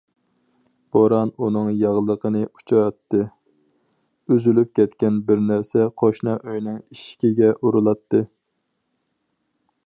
بوران ئۇنىڭ ياغلىقىنى ئۇچۇراتتى، ئۈزۈلۈپ كەتكەن بىر نەرسە قوشنا ئۆينىڭ ئىشىكىگە ئۇرۇلاتتى.